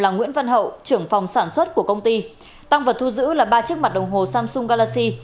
là nguyễn văn hậu trưởng phòng sản xuất của công ty tăng vật thu giữ là ba chiếc mặt đồng hồ samsung galaxy